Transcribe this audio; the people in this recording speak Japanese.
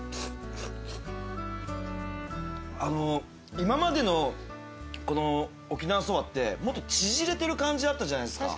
今までの沖縄そばってもっと縮れてる感じあったじゃないですか。